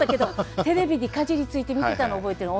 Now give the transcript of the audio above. テレビにかじりついて見てたのは覚えてる。